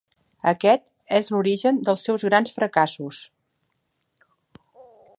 Aquest és l'origen dels seus grans fracassos.